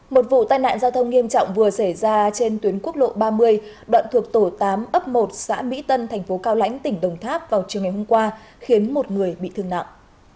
một vụ tai nạn giao thông nghiêm trọng vừa xảy ra trên tuyến quốc lộ ba mươi đoạn thuộc tổ tám ấp một xã mỹ tân thành phố cao lãnh tỉnh đồng tháp vào chiều ngày hôm qua khiến một người bị thương nặng